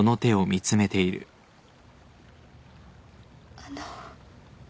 あの。